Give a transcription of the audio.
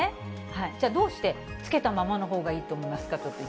じゃあ、どうしてつけたままのほうがいいと思いますか？